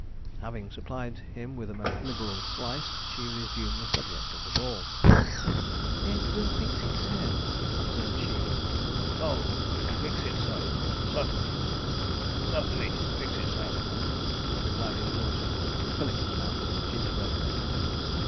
Having supplied him with a most liberal slice, she resumed the subject of the ball. 'Then we'll fix it so,' observed she. 'Oh, fix it so, certainly certainly fix it so,' replied his lordship, filling his mouth full of gingerbread.